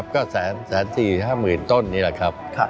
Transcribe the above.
ก็แสน๔๕หมื่นต้นนี่แหละครับ